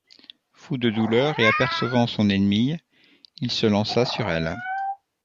Fou de douleur et apercevant son ennemie, il se lança sur elle.